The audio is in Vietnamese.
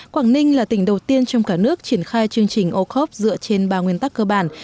năm hai nghìn một mươi ba quảng ninh là tỉnh đầu tiên trong cả nước triển khai chương trình ô khúc dựa trên ba nguyên tắc cơ bản